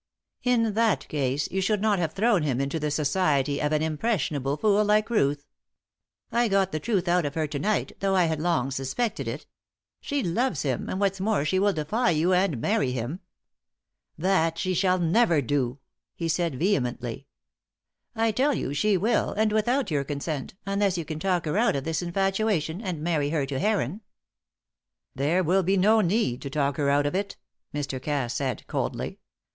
"In that case you should not have thrown him into the society of an impressionable fool like Ruth. I got the truth out of her to night, though I had long suspected it. She loves him; and what's more she will defy you and marry him." "That she shall never do:" he said vehemently. "I tell you she will, and without your consent, unless you can talk her out of this infatuation and marry her to Heron." "There will be no need to talk her out of it." Mr. Cass said, coldly.